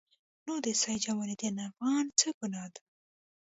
نو د سید جمال الدین افغاني څه ګناه ده.